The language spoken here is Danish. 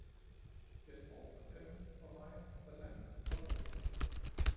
Jeg spår for Dem, for mig, for land og rige